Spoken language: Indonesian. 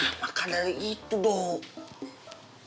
nah maka dari itu dong